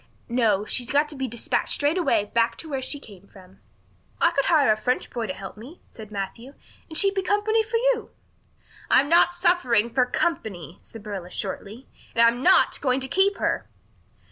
No, she's got to be despatched straight way back to where she came from." "I could hire a French boy to help me," said Matthew, "and she'd be company for you." "I'm not suffering for company," said Marilla shortly. "And I'm not going to keep her."